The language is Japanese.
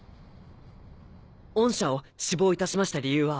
御社を志望いたしました理由は。